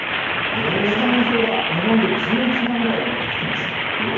スタメン表が日本円で１１万円ぐらいの値がつきました。